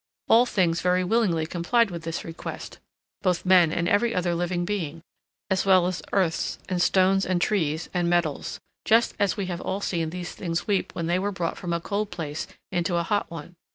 All things very willingly complied with this request, both men and every other living being, as well as earths, and stones, and trees, and metals, just as we have all seen these things weep when they are brought from a cold place into a hot one.